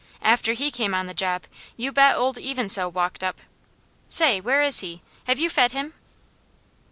After he came on the job, you bet old Even So walked up. Say, where is he? Have you fed him?"